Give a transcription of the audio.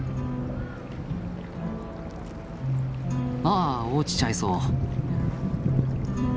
ああ落ちちゃいそう。